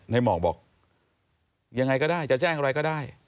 หมอกบอกยังไงก็ได้จะแจ้งอะไรก็ได้